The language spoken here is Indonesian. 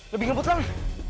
lebih ngebut lang